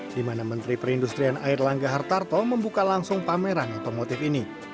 di mana menteri perindustrian air langga hartarto membuka langsung pameran otomotif ini